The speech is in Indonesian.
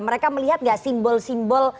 mereka melihat nggak simbol simbol